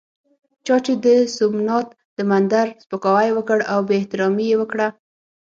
چا چې د سومنات د مندر سپکاوی وکړ او بې احترامي یې وکړه.